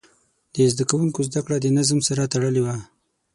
د زده کوونکو زده کړه د نظم سره تړلې وه.